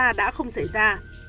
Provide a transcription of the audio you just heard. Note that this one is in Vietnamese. mà đã không xảy ra